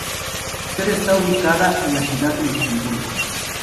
Su sede está ubicada en la ciudad de Luxemburgo.